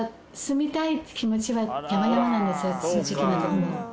正直なところ。